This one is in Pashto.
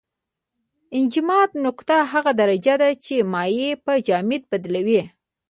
انجماد نقطه هغه درجه ده چې مایع په جامد بدلوي.